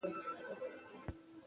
يواځې چلن نه